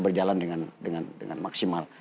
berjalan dengan maksimal